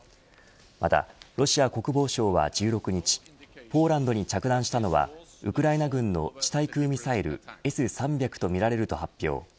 またロシア国防省は１６日ポーランドに着弾したのはウクライナ軍の地対空ミサイルＳ３００とみられると発表。